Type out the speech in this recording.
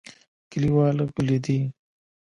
کلیوال غلي دي .